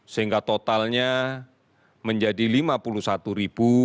sehingga totalnya menyebabkan